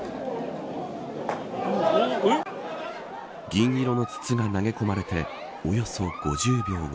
銀色の筒が投げ込まれておよそ５０秒後。